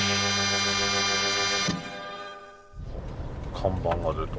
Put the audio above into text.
看板が出た。